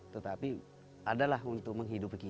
tetapi adalah untuk menghidupi kita